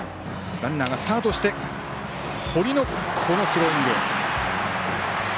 ランナーがスタートして堀の、このスローイング。